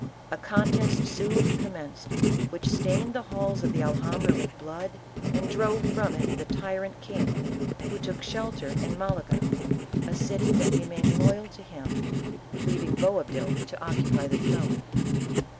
A contest soon commenced which stained the halls of the Alhambra with blood, and drove from it the tyrant king, who took shelter in L 90 ISABELLA OF CASTILE. Malaga, a city that remained loyal to him, leaving Boabdil to occupy the throne.